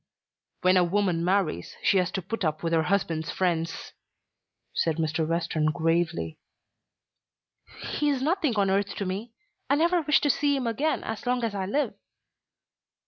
"When a woman marries, she has to put up with her husband's friends," said Mr. Western gravely. "He is nothing on earth to me. I never wish to see him again as long as I live."